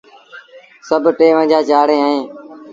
سڀ ٽيونجھآ چآڙيٚن اهيݩ۔